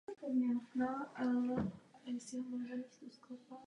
V některých případech lze kombinovat všechny tři molekuly dohromady.